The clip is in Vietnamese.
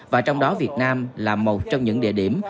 và trong đó việt nam là một trong những địa điểm